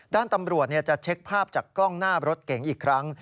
ด้านตำรวจจะเช็คภาพจากกล้องหน้ารถเก๋งอีกครั้ง